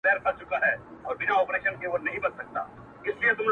چې یوه باصره او دویمه سامعه